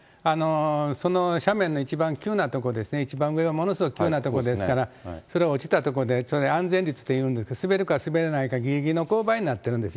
その斜面の一番急な所ですね、一番上がものすごい急な所ですから、それが落ちた所で、安全率というんですけど、滑るか滑らないか、ぎりぎりの勾配になっているんですね。